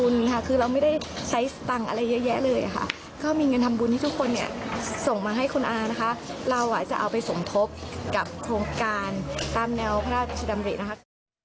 เราจะเอาไปสมทบกับโครงการตามแนวพระราชดำรินะคะ